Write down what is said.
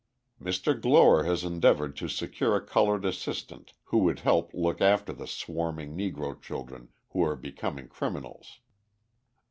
Mr. Gloer has endeavoured to secure a coloured assistant who would help look after the swarming Negro children who are becoming criminals.